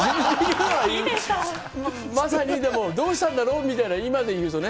まさにでも、どうしたんだろうみたいなね、今で言うとね。